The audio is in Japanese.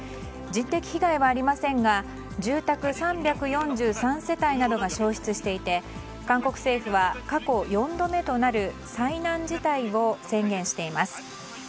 人的被害はありませんが住宅３４３世帯などが焼失していて韓国政府は、過去４度目となる災難事態を宣言しています。